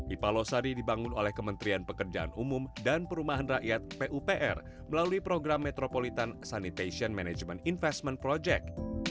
ipa losari dibangun oleh kementerian pekerjaan umum dan perumahan rakyat pupr melalui program metropolitan sanitation management investment project